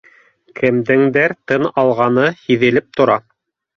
Кемдеңдер тын алғаны һиҙелеп тора